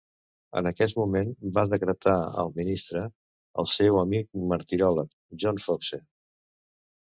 En aquest moment va decretar al ministre, el seu amic martiròleg John Foxe.